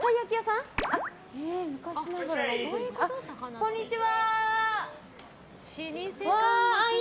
こんにちは。